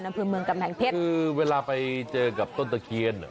อำเภอเมืองกำแพงเพชรคือเวลาไปเจอกับต้นตะเคียน